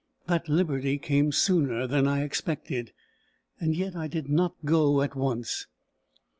That liberty came sooner than I expected; and yet I did not go at once.